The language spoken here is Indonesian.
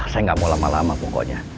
saya nggak mau lama lama pokoknya